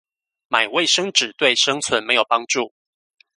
買衛生紙對生存沒有幫助